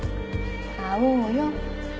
会おうよ。